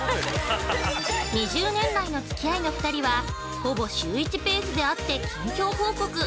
２０年来のつき合いの２人はほぼ週１ペースで会って近況報告。